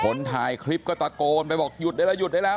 คนถ่ายคลิปก็ตะโกนไปบอกหยุดได้แล้วหยุดได้แล้ว